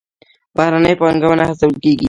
بهرنۍ پانګونه هڅول کیږي